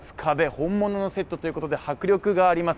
本物のセットということで迫力があります。